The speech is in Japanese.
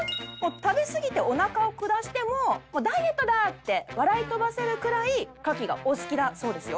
食べすぎておなかを下してもダイエットだ！って笑い飛ばせるくらい牡蠣がお好きだそうですよ。